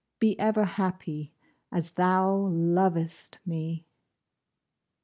Be ever happy, As thou lov'st me!